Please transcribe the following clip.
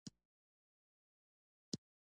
د ایماقانو سیمې په غور کې دي